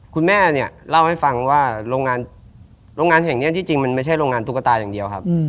คุณแม่เนี่ยเล่าให้ฟังว่าโรงงานแห่งนี้ที่จริงมันไม่ใช่โรงงานตุ๊กตาอย่างเดียวครับ